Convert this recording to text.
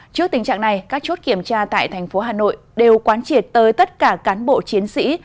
trước tình trạng này các chốt kiểm tra tại thành phố hà nội đều quán triệt tới tất cả cán bộ chiến sĩ